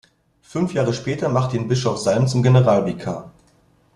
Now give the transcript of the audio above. Fünf Jahre später machte ihn Bischof Salm zum Generalvikar.